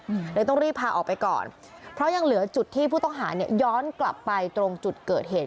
อืมเลยต้องรีบพาออกไปก่อนเพราะยังเหลือจุดที่ผู้ต้องหาเนี้ยย้อนกลับไปตรงจุดเกิดเหตุ